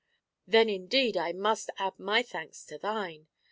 Then, indeed, I must add my thanks to thine.'